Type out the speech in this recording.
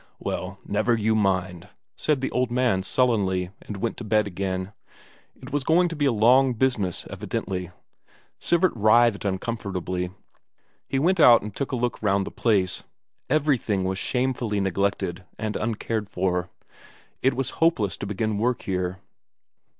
"Well, never you mind," said the old man sullenly, and went to bed again. It was going to be a long business, evidently. Sivert writhed uncomfortably. He went out and took a look round the place; everything was shamefully neglected and uncared for; it was hopeless to begin work here.